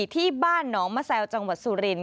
ที่บ้านนมจังหวัดสุรินต์